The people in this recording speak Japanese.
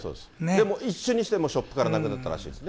でも一瞬にしてショップからなくなったらしいですね。